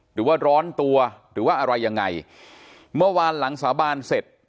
หรือว่าร้อนตัวหรือว่าอะไรยังไงเมื่อวานหลังสาบานเสร็จ